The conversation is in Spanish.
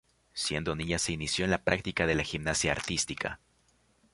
Siendo niña se inició en la práctica de la gimnasia artística.